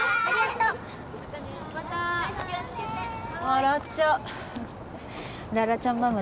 笑っちゃう。